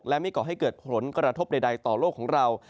และไม่ก่อให้เกิดผลกระทบใดต่อโลกของเรา